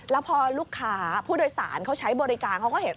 แล้วพอลูกค้าผู้โดยสารเขาใช้บริการเขาก็เห็น